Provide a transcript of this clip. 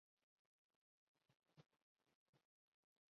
خرم مراد ان دنوں جماعت اسلامی ڈھاکہ کے امیر تھے۔